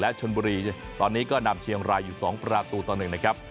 ชนบุรีตอนนี้ก็นำเชียงรายอยู่๒ประตูต่อ๑นะครับ